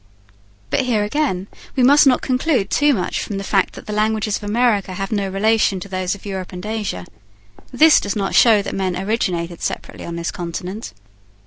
But, here again, we must not conclude too much from the fact that the languages of America have no relation to those of Europe and Asia. This does not show that men originated separately on this continent.